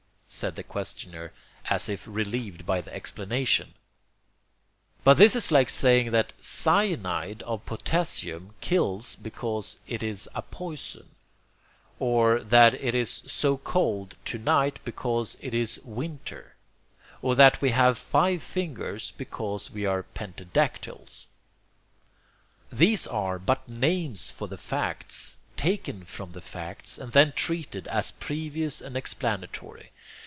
said the questioner, as if relieved by the explanation. But this is like saying that cyanide of potassium kills because it is a 'poison,' or that it is so cold to night because it is 'winter,' or that we have five fingers because we are 'pentadactyls.' These are but names for the facts, taken from the facts, and then treated as previous and explanatory.